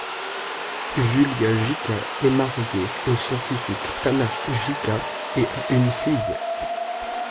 Julia Gjika est mariée au scientifique Thanas Gjika et a une fille.